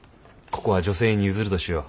ここは女性に譲るとしよう。